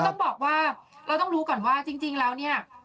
ต้องบอกว่าเราต้องรู้ก่อนว่าจริงแล้วเนี่ย